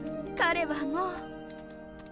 彼はもう。